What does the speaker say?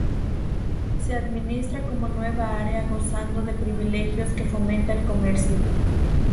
Se administra como Nueva Área gozando de privilegios que fomenta el comercio.